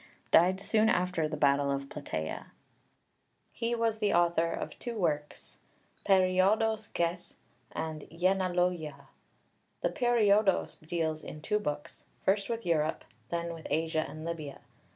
died soon after the battle of Plataea. He was the author of two works (1) περίοδος γῆς; and (2) γενεηλογίαι. The Periodos deals in two books, first with Europe, then with Asia and Libya.